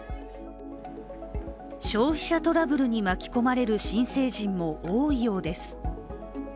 消費者トラブルに巻き込まれる新成人も多いようです。